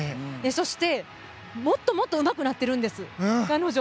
そして、もっともっとうまくなっているんです、彼女。